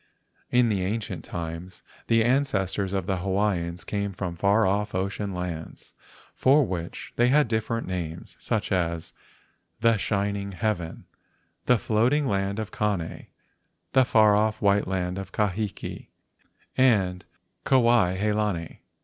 In the ancient times, the ancestors of the Hawaiians came from far off ocean lands, for which they had different names, such as The Shining Heaven, The Floating Land of Kane, The Far off White Land of Kahiki, and Kuai he lani.